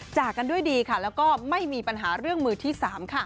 จากกันด้วยดีค่ะแล้วก็ไม่มีปัญหาเรื่องมือที่๓ค่ะ